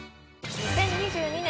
２０２２年